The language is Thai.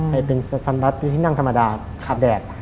ให้เป็นที่นั่งธรรมดาขาบแดด